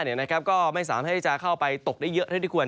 เรียกว่าเมื่อกี้ก็ไม่สามารถให้จักรเข้าไปตกได้เยอะน่ะที่ควร